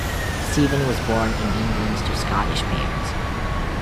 Stephen was born in England to Scottish parents.